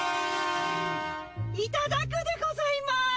いただくでございます！